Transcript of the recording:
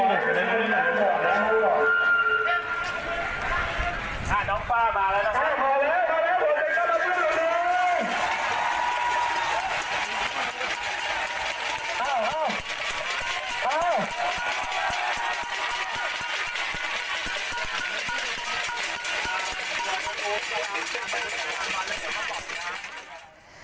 น้องฝ้ามาแล้วนะคะมาแล้วมาแล้วผลเต็มต้องมาพรุ่งหน่อย